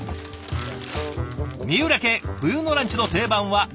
三浦家冬のランチの定番は袋麺！